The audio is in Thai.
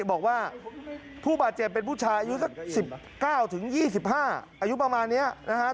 บอกว่าผู้บาดเจ็บเป็นผู้ชายอายุ๑๙๒๕ประมาณนี้นะฮะ